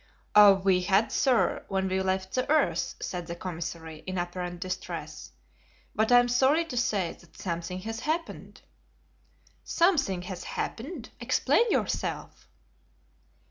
"We had, sir, when we left the earth," said the commissary, in apparent distress, "but I am sorry to say that something has happened." "Something has happened! Explain yourself!"